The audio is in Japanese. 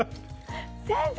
先生